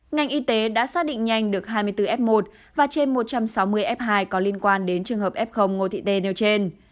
ngành y tế đã xác định nhanh được hai mươi bốn f một và trên một trăm sáu mươi f hai có liên quan đến trường hợp f ngô thị tê nêu trên